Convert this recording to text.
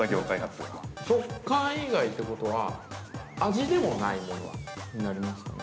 ◆食感以外ということは、味でもないものになりますかね。